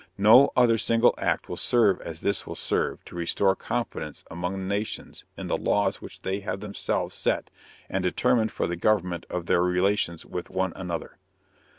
No other single act will serve as this will serve to restore confidence among the nations in the laws which they have themselves set and determined for the government of their relations with one another.